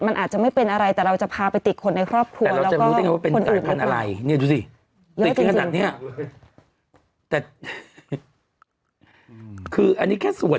มันอาจจะไม่เป็นอะไรแต่เราจะพาไปติดคนในครอบครัว